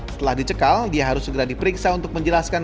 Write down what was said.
setelah dicekal dia harus segera diperiksa untuk menjelaskan